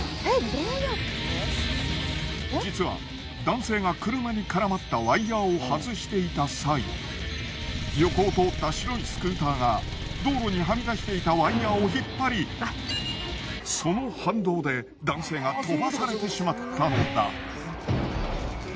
実は男性が車に絡まったワイヤーを外していた際横を通った白いスクーターが道路にはみ出していたワイヤーを引っ張りその反動で男性が飛ばされてしまったのだ。